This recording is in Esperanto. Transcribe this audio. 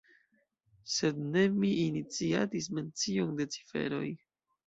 Sed ne mi iniciatis mencion de ciferoj.